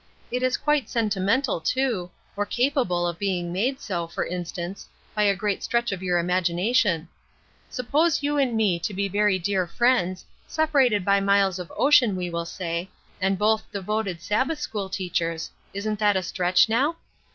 It is quite sentimental, too, or capable of being made so, for instance, by a great stretch of your imagination. Suppose you and me to be very dear friends, separated by miles of ocean we will say, and both devoted Sabbath school teachers, isn't that a stretch now?